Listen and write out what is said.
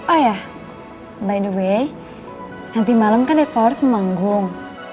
oh ya by the way nanti malem kan dead flowers memanggung